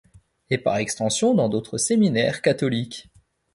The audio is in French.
Et par extension dans d’autres séminaires catholiques.